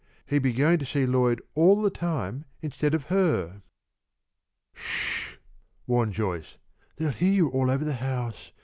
He'd be going to see Lloyd all the time instead of her." "Sh!" warned Joyce. "They'll hear you all over the house.